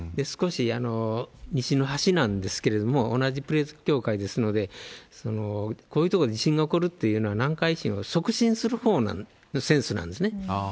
少し西の端なんですけれども、同じプレート境界ですので、こういう所で地震が起こるっていうのは、南海地震を促進するほうのセンスなんですね。